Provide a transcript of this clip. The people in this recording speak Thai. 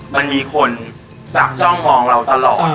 มันมีคนจับจ้องมองเราตลอด